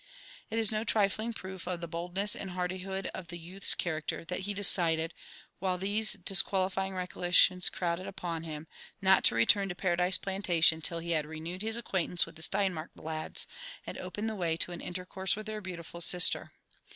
It is no trifling proof of the boldness and hardihood of the youth's character, that he decided, while these disqualifying recollections JONATHAN JEFFERSON WHITLAW. 49 crowded open him , not to return to Paradise Plantation till he had iieoewed his acquaintance with the Steinmark lads> and opened the way to an intercourse with their beautiful sister.